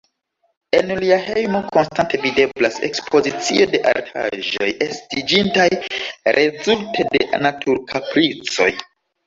En lia hejmo konstante videblas ekspozicio de artaĵoj, estiĝintaj rezulte de naturkapricoj.